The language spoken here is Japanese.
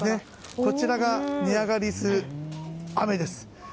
こちらが値上がりする、雨です。